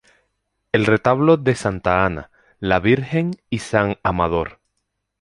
El "retablo de Santa Ana, la Virgen y san Amador".